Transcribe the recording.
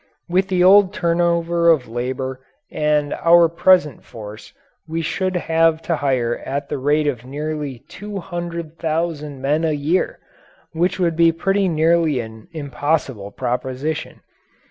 With the old turnover of labour and our present force we should have to hire at the rate of nearly 200,000 men a year which would be pretty nearly an impossible proposition.